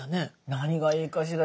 何がいいかしら。